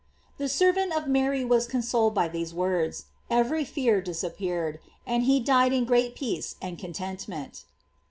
"* The servant of Mary was consoled by these words, every fear disappeared, and he died in great peace and contentment.